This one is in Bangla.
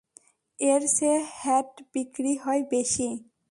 এরচেয়ে হ্যাট বিক্রি হয় বেশি।